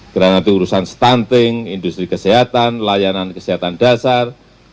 gerakan itu urusan stunting industri kesehatan layanan kesehatan dasar